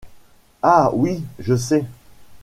Ah ! oui, je sais. ..